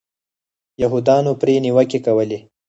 یهودیانو پرې نیوکې کولې.